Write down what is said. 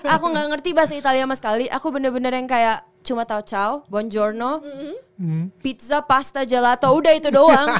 aku gak ngerti bahasa italia sama sekali aku bener bener yang kayak cuma taucaw bonjorno pizza pasta gelato udah itu doang